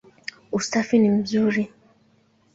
Usafi ni mzuri.